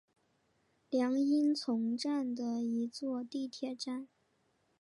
凉荫丛站的一座地铁站。